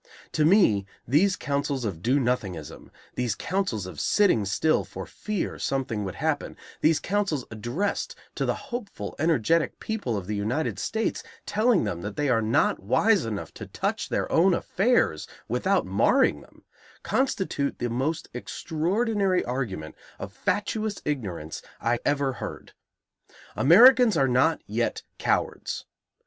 To me, these counsels of do nothingism, these counsels of sitting still for fear something would happen, these counsels addressed to the hopeful, energetic people of the United States, telling them that they are not wise enough to touch their own affairs without marring them, constitute the most extraordinary argument of fatuous ignorance I ever heard. Americans are not yet cowards.